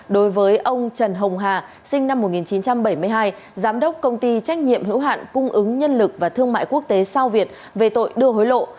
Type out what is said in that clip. đối với ông trần hồng hà sinh năm một nghìn chín trăm bảy mươi hai giám đốc công ty trách nhiệm hữu hạn cung ứng nhân lực và thương mại quốc tế sao việt về tội đưa hối lộ